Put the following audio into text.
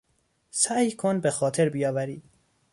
سعی کن به خاطر بیاوری.